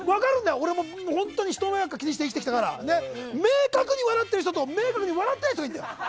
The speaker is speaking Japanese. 俺も、本当に人の迷惑を気にして生きてきたから明確に笑ってる人と笑ってない人がいる。